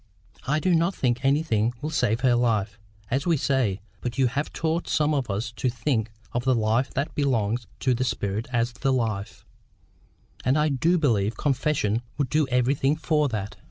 I do not think anything will save her life, as we say, but you have taught some of us to think of the life that belongs to the spirit as THE life; and I do believe confession would do everything for that."